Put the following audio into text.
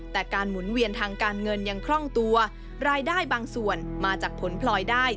แต่การหมุนเวียนทางการเงินยังคล่องตัวรายได้บางส่วนมาจากผลพลอยได้